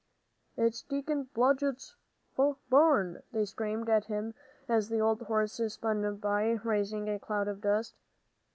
"It's Deacon Blodgett's barn," they screamed at him as the old horse spun by, raising a cloud of dust.